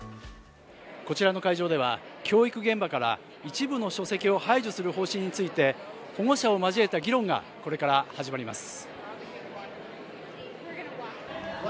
こちらの会場では教育現場から一部の書籍を排除する方針について保護者を交えた議論がこれから始まります。